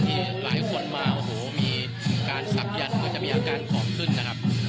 ที่หลายคนมาโอ้โหมีการสับยัดก็จะมีอาการขอบขึ้นนะครับ